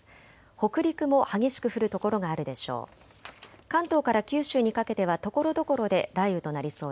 北陸も激しく降る所があるでしょう。